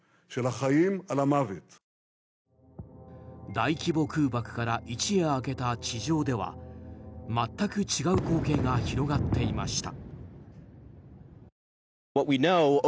大規模空爆から一夜明けた地上では全く違う光景が広がっていました。